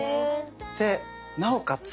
でなおかつ